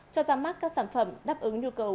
cho ra mắt các sản phẩm đáp ứng nhu cầu